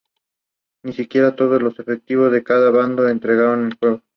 Cuándo la reacción global es mayormente concertada, la carga será poco significativa.